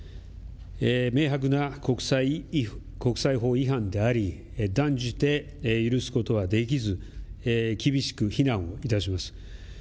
明白な国際法違反であり断じて許すことはできず厳しく非難いたします。